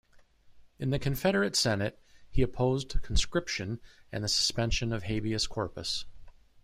In the Confederate Senate, he opposed conscription and the suspension of habeas corpus.